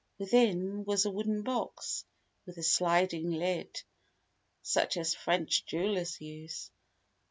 Within was a wooden box, with a sliding lid, such as French jewellers use.